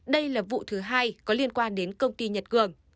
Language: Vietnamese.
đây là vụ thứ hai có liên quan đến công ty nhật cường